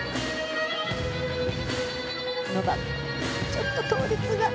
ちょっと倒立が。